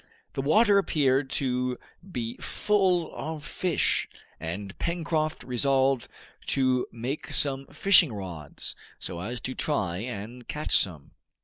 The water appeared to be full of fish, and Pencroft resolved to make some fishing rods, so as to try and catch some.